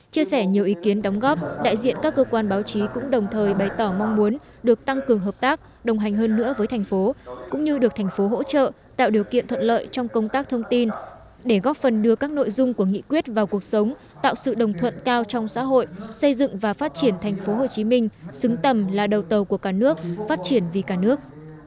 chia sẻ nhiều ý kiến đóng góp đại diện các cơ quan báo chí cũng đồng thời bày tỏ mong muốn được tăng cường hợp tác đồng hành hơn nữa với thành phố cũng như được thành phố hỗ trợ tạo điều kiện thuận lợi trong công tác thông tin để góp phần đưa các nội dung của nghị quyết vào cuộc sống tạo sự đồng thuận cao trong xã hội xây dựng và phát triển thành phố hồ chí minh xứng tầm là đầu tàu của cả nước phát triển vì cả nước